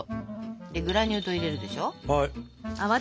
でグラニュー糖入れるでしょ。